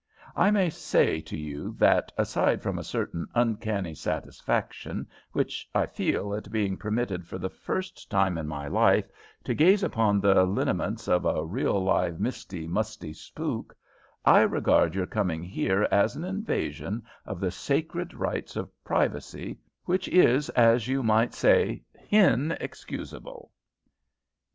"I may say to you that, aside from a certain uncanny satisfaction which I feel at being permitted for the first time in my life to gaze upon the linaments of a real live misty musty spook, I regard your coming here as an invasion of the sacred rights of privacy which is, as you might say, 'hinexcusable.'"